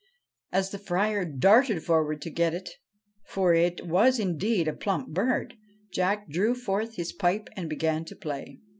As the Friar darted forward to get it for it was indeed a plump bird Jack drew forth his pipe and began to play.